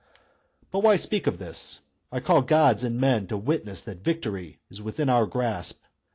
" But why speak of this ? I call Gods and men to witness that victory is within our grasp.